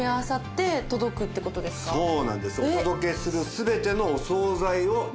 そうなんです。